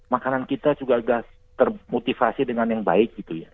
makanan kita juga agak termotivasi dengan yang baik gitu ya